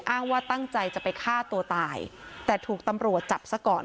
อ้างว่าตั้งใจจะไปฆ่าตัวตายแต่ถูกตำรวจจับซะก่อน